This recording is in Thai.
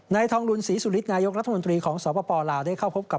ทองดุลศรีสุฤทธนายกรัฐมนตรีของสปลาวได้เข้าพบกับ